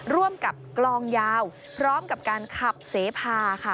ร่วมกับกลองยาวพร้อมกับการขับเสพาค่ะ